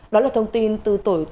đó là thông tin từ tổng cục đường bộ